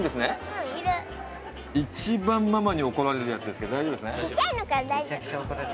うんいる一番ママに怒られるやつですけど大丈夫ですね？